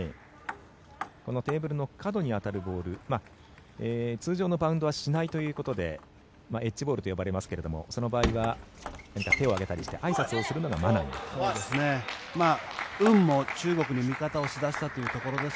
このテーブルの角に当たるボール通常のバウンドはしないということでエッジボールと呼ばれますがその場合は何か手を上げたりしてあいさつをするのがマナーになっています。